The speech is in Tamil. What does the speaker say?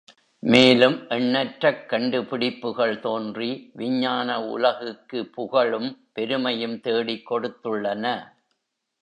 மேலும் எண்ணற்றக்கண்டு பிடிப்புக்கள் தோன்றி விஞ்ஞான உலகுக்கு புகழும், பெருமையும் தேடிக் கொடுத்துள்ளன.